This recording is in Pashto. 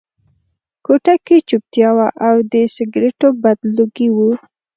کوټه کې چوپتیا وه او د سګرټو بد لوګي وو